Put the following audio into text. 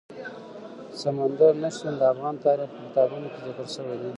سمندر نه شتون د افغان تاریخ په کتابونو کې ذکر شوی دي.